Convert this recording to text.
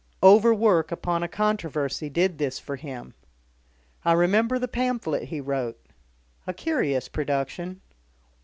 Overwork upon a controversy did this for him. I remember the pamphlet he wrote a curious production.